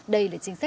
đây là chính xác